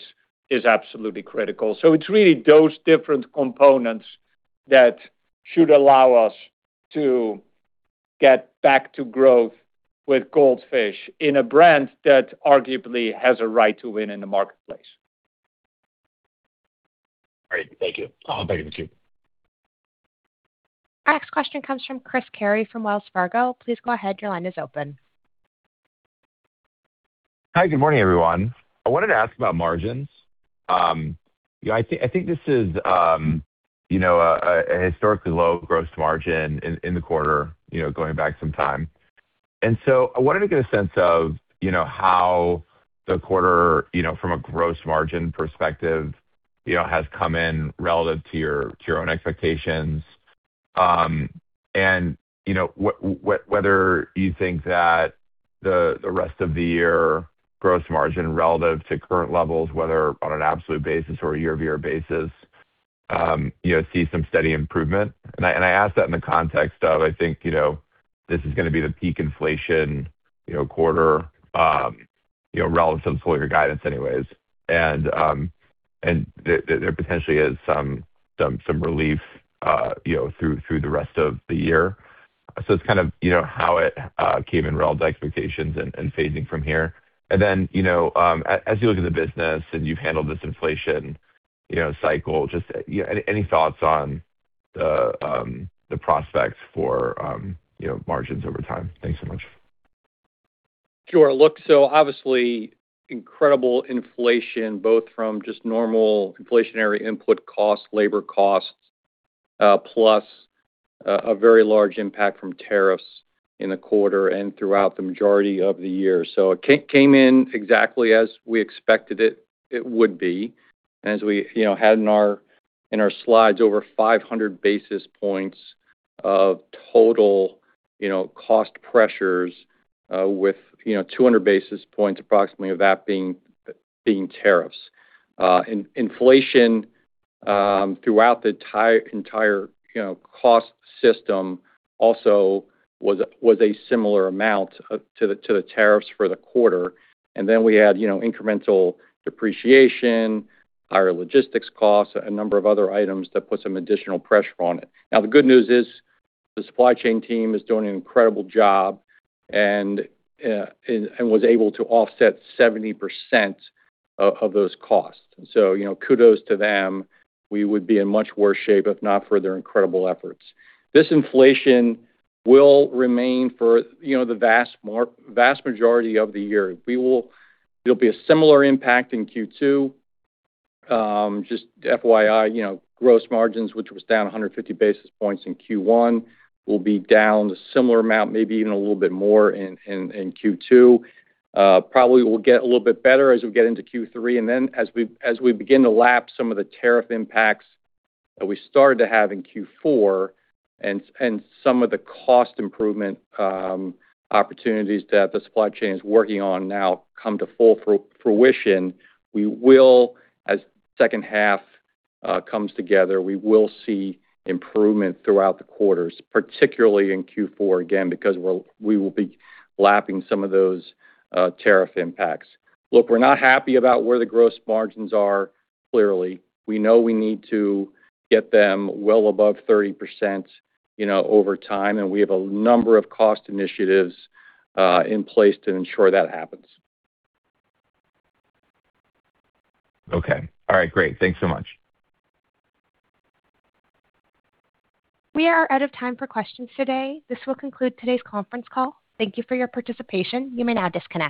is absolutely critical. So it's really those different components that should allow us to get back to growth with Goldfish, a brand that arguably has a right to win in the marketplace. Great. Thank you. I'll thank you. Our next question comes from Chris Carey from Wells Fargo. Please go ahead. Your line is open. Hi. Good morning, everyone. I wanted to ask about margins. I think this is a historically low gross margin in the quarter going back some time. And so I wanted to get a sense of how the quarter, from a gross margin perspective, has come in relative to your own expectations and whether you think that the rest of the year gross margin relative to current levels, whether on an absolute basis or a year-over-year basis, see some steady improvement. I ask that in the context of, I think this is going to be the peak inflation quarter relative to all your guidance anyways, and there potentially is some relief through the rest of the year. So it's kind of how it came in relative to expectations and phasing from here. And then as you look at the business and you've handled this inflation cycle, just any thoughts on the prospects for margins over time? Thanks so much. Sure. Look, so obviously, incredible inflation, both from just normal inflationary input costs, labor costs, plus a very large impact from tariffs in the quarter and throughout the majority of the year. So it came in exactly as we expected it would be. And as we had in our slides, over 500 basis points of total cost pressures with 200 basis points approximately of that being tariffs. Inflation throughout the entire cost system also was a similar amount to the tariffs for the quarter. And then we had incremental depreciation, higher logistics costs, a number of other items that put some additional pressure on it. Now, the good news is the supply chain team is doing an incredible job and was able to offset 70% of those costs. So kudos to them. We would be in much worse shape if not for their incredible efforts. This inflation will remain for the vast majority of the year. There'll be a similar impact in Q2. Just FYI, gross margins, which was down 150 basis points in Q1, will be down a similar amount, maybe even a little bit more in Q2. Probably will get a little bit better as we get into Q3. And then as we begin to lap some of the tariff impacts that we started to have in Q4 and some of the cost improvement opportunities that the supply chain is working on now come to full fruition, as second half comes together, we will see improvement throughout the quarters, particularly in Q4, again, because we will be lapping some of those tariff impacts. Look, we're not happy about where the gross margins are clearly. We know we need to get them well above 30% over time. And we have a number of cost initiatives in place to ensure that happens. Okay. All right. Great. Thanks so much. We are out of time for questions today. This will conclude today's conference call. Thank you for your participation. You may now disconnect.